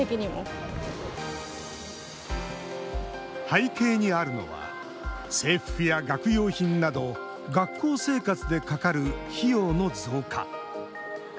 背景にあるのは制服や学用品など学校生活でかかる費用の増加。